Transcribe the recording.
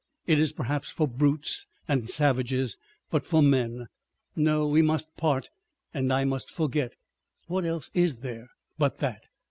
It is perhaps for brutes and savages, but for men. No! We must part and I must forget. What else is there but that?"